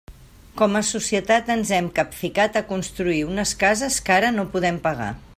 Com a societat ens hem capficat a construir unes cases que ara no podem pagar.